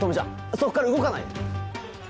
そこから動かないで。